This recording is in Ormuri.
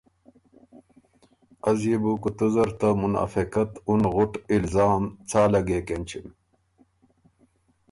از يې بو کُوتُو زر ته منافقت اُن غُټ الزام څا لګېک اېنچِم؟